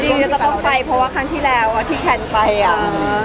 จริงมันจะต้องไปเพราะว่าคันที่แล้วที่แคนไปอ่ะ